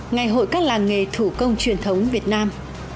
ngày hội các làng nghề thủ công truyền thống việt nam